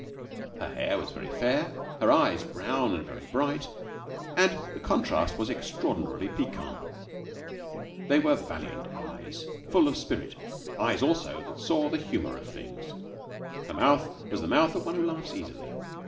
Her hair was very fair, her eyes brown and very bright, and the contrast was extraordinarily piquant. They were valiant eyes, full of spirit; eyes, also, that saw the humour of things. And her mouth was the mouth of one who laughs easily.